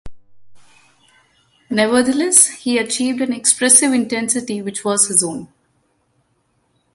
Nevertheless, he achieved an expressive intensity which was his own.